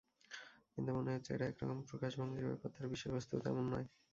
কিন্তু মনে হচ্ছে, এটা একরকম প্রকাশভঙ্গির ব্যাপার, তার বিষয়বস্তু তেমন নয়।